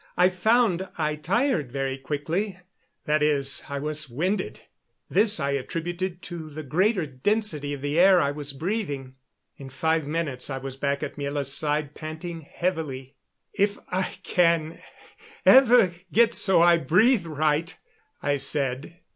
I found I tired very quickly that is, I was winded. This I attributed to the greater density of the air I was breathing. In five minutes I was back at Miela's side, panting heavily. "If I can ever get so I breathe right " I said.